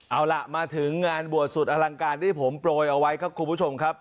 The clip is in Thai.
เอาล่ะมาถึงงานบวชสุดอลังการที่ผมโปรยเอาไว้ครับคุณผู้ชมครับ